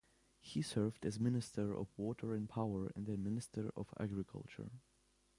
He served as minister of water and power and then minister of agriculture.